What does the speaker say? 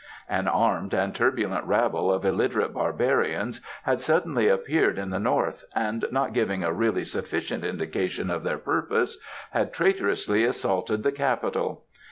An armed and turbulent rabble of illiterate barbarians had suddenly appeared in the north and, not giving a really sufficient indication of their purpose, had traitorously assaulted the capital.